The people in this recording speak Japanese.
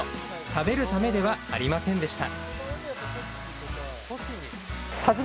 食べるためではありませんでした。